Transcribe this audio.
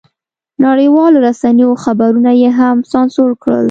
نړیوالو رسنیو خبرونه یې هم سانسور کړل.